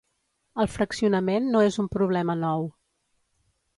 El fraccionament no és un problema nou.